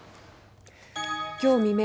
きょう未明